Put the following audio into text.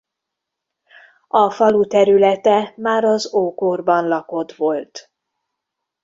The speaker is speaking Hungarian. A falu területe már az ókorban lakott volt.